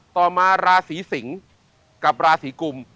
ต่อมาราศีสิงกับราศีกุม